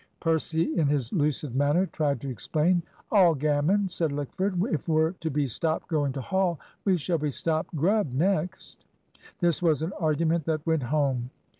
Percy in his lucid manner tried to explain. "All gammon," said Lickford. "If we're to be stopped going to Hall, we shall be stopped grub next." This was an argument that went home.